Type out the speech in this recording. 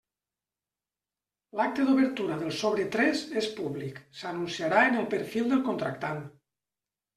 L'acte d'obertura del sobre tres és públic, s'anunciarà en el perfil del contractant.